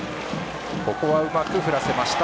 ここはうまく振らせました。